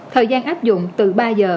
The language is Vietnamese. thời gian áp dụng từ ba h